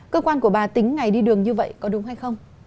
cơ quan của bà tính ngày đi đường như vậy có đúng hay không